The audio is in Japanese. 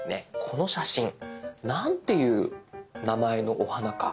この写真何て言う名前のお花か？